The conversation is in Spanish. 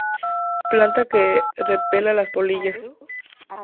Planta que repele las polillas.